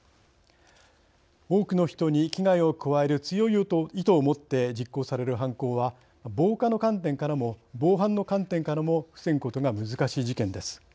多くの人に危害を加える強い意図を持って実行される犯行は防火の観点からも防犯の観点からも防ぐことが難しい事件です。